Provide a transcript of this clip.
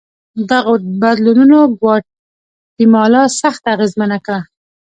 دغو بدلونونو ګواتیمالا سخته اغېزمنه کړه.